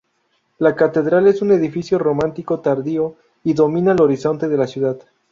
La catedral es un edificio románico tardío y domina el horizonte de la ciudad.